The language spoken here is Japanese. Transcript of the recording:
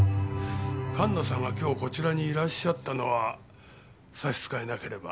菅野さんが今日こちらにいらっしゃったのは差し支えなければ。